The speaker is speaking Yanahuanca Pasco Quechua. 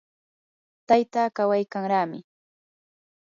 tayta kawaykanraami.